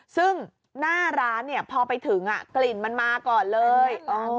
ซึ่งหน้าร้านพอไปถึงกลิ่นมันมาก่อนเลย